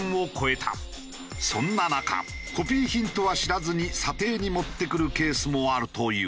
そんな中コピー品とは知らずに査定に持ってくるケースもあるという。